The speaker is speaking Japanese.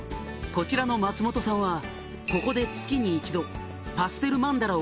こちらの松本さんはここで月に一度」